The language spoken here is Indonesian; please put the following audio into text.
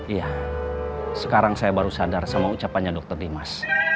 iya sekarang saya baru sadar sama ucapannya dr dimas